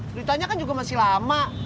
beritanya kan juga masih lama